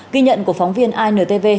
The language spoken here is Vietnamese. ghi nhận của phóng viên intv